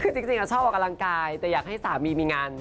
คือจริงชอบออกกำลังกายแต่อยากให้สามีมีงาน